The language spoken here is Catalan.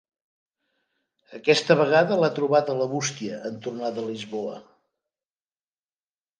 Aquesta vegada l'ha trobat a la bústia, en tornar de Lisboa.